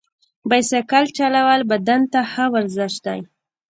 بایسکل چلول بدن ته ښه ورزش دی.